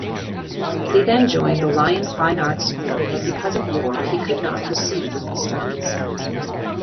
He then joined the Lyon Fine Arts School, but because of war, he could not proceed with his studies.